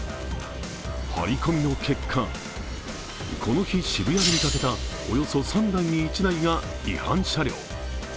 ハリコミの結果、この日渋谷で見かけたおよそ３台に１台が違反車両。